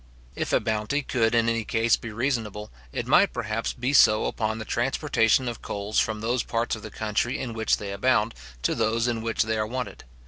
If a bounty could in any case be reasonable, it might perhaps be so upon the transportation of coals from those parts of the country in which they abound, to those in which they are wanted.